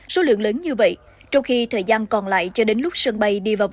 số lượng lớn như vậy trong khi thời gian còn lại cho đến lúc sân bay đi vào bờ